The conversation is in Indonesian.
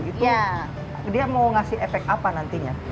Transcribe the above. itu dia mau ngasih efek apa nantinya